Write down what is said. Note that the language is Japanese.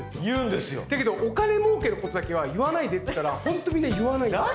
だけどお金もうけのことだけは言わないでって言ったらほんとみんな言わないんですよ。